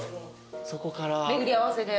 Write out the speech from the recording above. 巡り合わせで。